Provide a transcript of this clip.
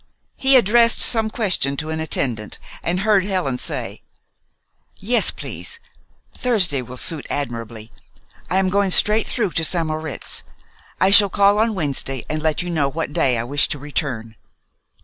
He addressed some question to an attendant, and heard Helen say: "Yes, please. Thursday will suit admirably. I am going straight through to St. Moritz. I shall call on Wednesday and let you know what day I wish to return."